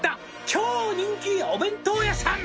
「超人気お弁当屋さん」